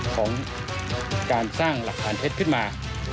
ของการสร้างหลักฐานเท็จขึ้นมา